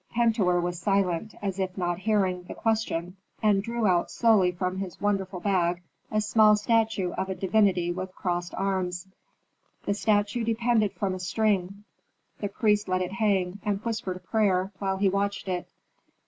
Pentuer was silent, as if not hearing the question, and drew out slowly from his wonderful bag a small statue of a divinity with crossed arms. The statue depended from a string; the priest let it hang, and whispered a prayer, while he watched it.